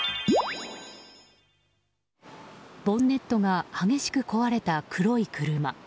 ボンネットが激しく壊れた黒い車。